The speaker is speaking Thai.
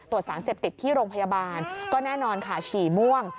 ตรวจสารเสพติดที่โรงพยาบาลก็แน่นอนค่ะฉี่ม่วง